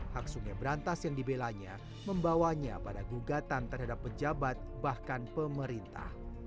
hak sungai berantas yang dibelanya membawanya pada gugatan terhadap pejabat bahkan pemerintah